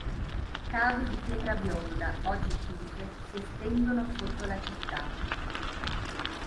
Cave di pietra bionda, oggi chiuse, si estendono sotto la città.